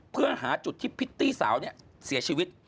เพื่อหาจุดที่พิตตี้สาวเสียชีวิต